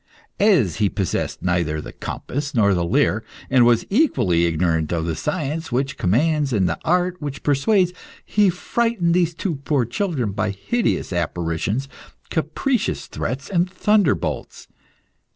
As he possessed neither the compass nor the lyre, and was equally ignorant of the science which commands and the art which persuades, he frightened these two poor children by hideous apparitions, capricious threats, and thunder bolts.